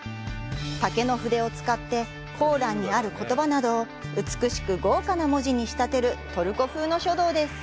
竹の筆を使ってコーランにある言葉などを美しく、豪華な文字に仕立てるトルコ風の書道です。